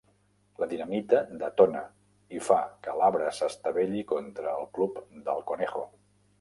La dinamita detona i fa que l'arbre s'estavelli contra el Club Del Conejo.